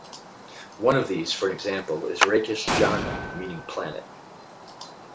One of these, for an example, is "reikistjarna", meaning planet.